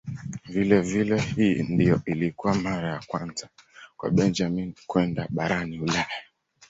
Vilevile hii ndiyo ilikuwa mara ya kwanza kwa Benjamin kwenda barani Ulaya.